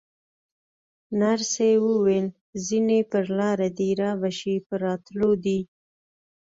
نرسې وویل: ځینې پر لاره دي، رابه شي، په راتلو دي.